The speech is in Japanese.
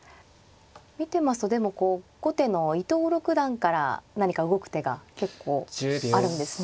見てますとでもこう後手の伊藤六段から何か動く手が結構あるんですね。